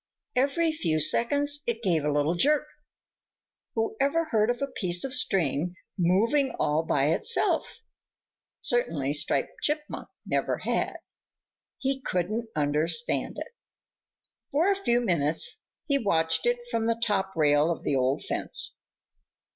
Every few seconds it gave a little jerk. Whoever heard of a piece of string moving all by itself? Certainly Striped Chipmunk never had. He couldn't understand it. For a few minutes he watched it from the top rail of the old fence.